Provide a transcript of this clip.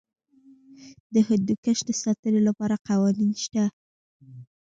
د هندوکش د ساتنې لپاره قوانین شته.